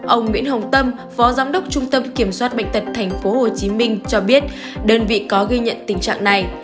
ông nguyễn hồng tâm phó giám đốc trung tâm kiểm soát bệnh tật tp hcm cho biết đơn vị có ghi nhận tình trạng này